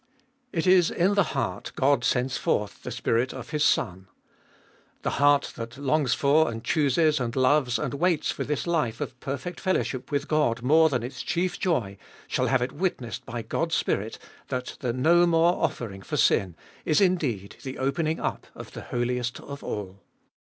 It is in the heart God sends forth the Spirit of His Son ; the heart that longs for and chooses and loves and waits for this life of perfect fellowship with God more than its chief joy, shall have it witnessed by God's Spirit that the no more offering for sin is indeed the opening up of the Holiest of All.